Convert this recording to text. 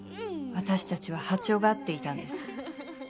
私たちは波長が合っていたんです。